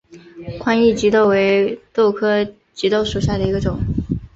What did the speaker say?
宽翼棘豆为豆科棘豆属下的一个种。